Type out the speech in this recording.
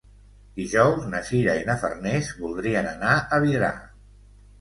Dijous na Sira i na Farners voldrien anar a Vidrà.